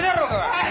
はい！